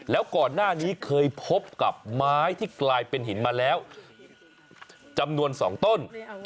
แล้วก่อนหน้านี้เคยพบกับไม้ที่กลายเป็นหินมาแล้วจำนวน๒ต้น